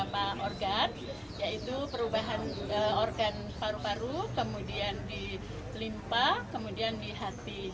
ada beberapa organ yaitu perubahan organ paru paru kemudian di limpa kemudian di hati